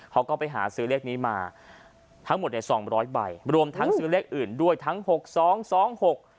เขาก็ไปหาซื้อเลขนี้มาทั้งหมดในสองร้อยใบรวมทั้งซื้อเลขอื่นด้วยทั้งหกสองสองหก